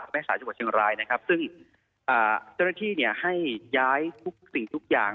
แม่สายจังหวัดเชียงรายนะครับซึ่งเจ้าหน้าที่เนี่ยให้ย้ายทุกสิ่งทุกอย่าง